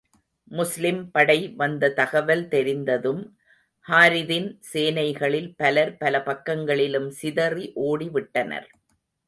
முஸ்லிம் படை வந்த தகவல் தெரிந்ததும், ஹாரிதின் சேனைகளில் பலர் பல பக்கங்களிலும் சிதறி ஓடி விட்டனர்.